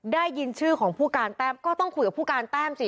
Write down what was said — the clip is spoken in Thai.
ได้ยินชื่อของผู้การแต้มก็ต้องคุยกับผู้การแต้มสิ